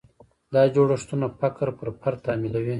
دا جوړښتونه فقر پر فرد تحمیلوي.